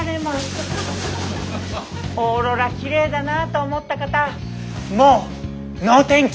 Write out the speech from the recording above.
オーロラきれいだなと思った方もう能天気！